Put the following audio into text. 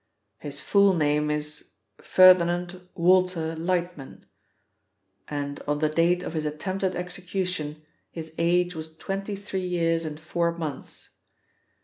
His full name is Ferdinand Walter Lightman, and on the date of his attempted execution his age was twenty three years and four months.